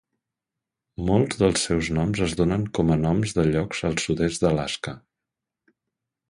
Molts dels seus noms es donen com a noms de llocs al sud-est d'Alaska.